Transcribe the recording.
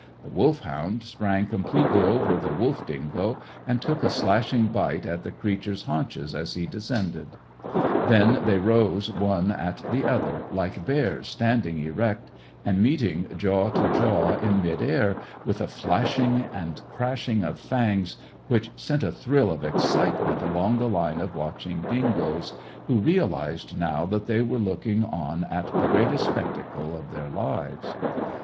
The Wolfhound sprang completely over the wolf dingo, and took a slashing bite at the creature's haunches as he descended. Then they rose one at the other, like bears standing erect, and meeting jaw to jaw in mid air, with a flashing and clashing of fangs which sent a thrill of excitement along the line of watchful dingoes, who realized now that they were looking on at the greatest spectacle of their lives.